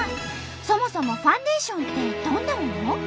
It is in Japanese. そもそもファンデーションってどんなもの？